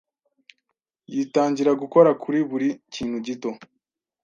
Yitangira gukora kuri buri kintu gito.